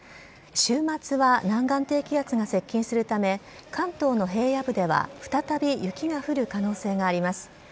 週末は南岸低気圧が接近するため、関東の平野部では再び雪が降る可能性があります。